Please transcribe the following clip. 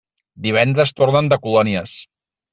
Divendres tornen de colònies.